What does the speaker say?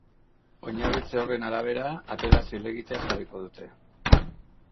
Oinarritze horren arabera, apelazio helegitea jarriko dute.